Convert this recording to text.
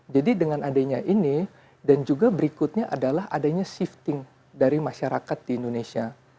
jadi dengan adanya ini dan juga berikutnya adalah adanya shifting dari masyarakat di indonesia